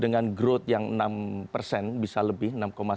dengan growth yang enam persen bisa lebih enam satu enam dua